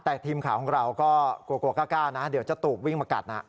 แต่ทีมข่าวของเราก็กลัวกล้านะเดี๋ยวจะตูบวิ่งมากัดนะ